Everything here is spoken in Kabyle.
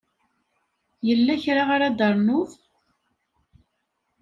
Yella kra ara d-ternuḍ?